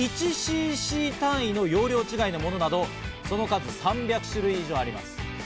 １ｃｃ単位の容量違いのものなどその数３００種類以上あります。